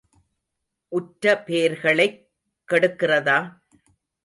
உற்ற பேர்களைக் கெடுக்கிறதா?